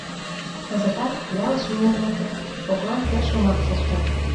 Кызытат, ялыш мийымеке, коклан ты шомак шокта.